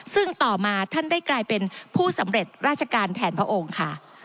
ซึ่งต่อมาท่านได้กลายเป็นผู้สำเร็จราชการแทนพระองค์ค่ะ